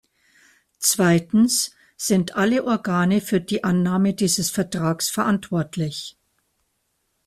Zweitens sind alle Organe für die Annahme dieses Vertrags verantwortlich.